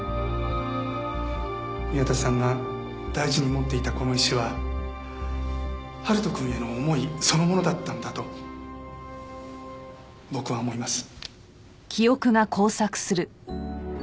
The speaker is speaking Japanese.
宮田さんが大事に持っていたこの石は春人くんへの思いそのものだったんだと僕は思います。